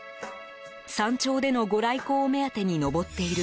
山頂でのご来光を目当てに登っている